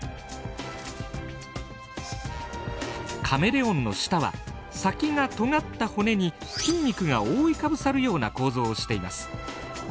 カメレオンの舌は先がとがった骨に筋肉が覆いかぶさるような構造をしています。